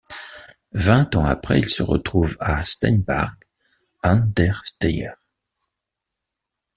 Vingt ans après, ils se retrouvent à Steinbach an der Steyr.